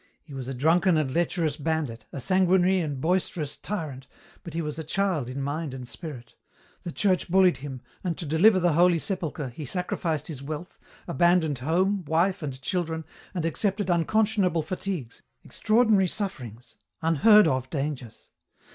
He was a drunken and lecherous bandit, a sanguinary and boisterous tyrant, but he was a child in mind and spirit. The Church bullied him, and to deliver the Holy Sepulchre he sacrificed his wealth, abandoned home, wife, and children, and accepted unconscionable fatigues, extraordinary sufferings, unheard of dangers.